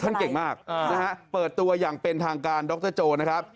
ท่านเก่งมากเปิดตัวอย่างเป็นทางการดรโจ้นะครับ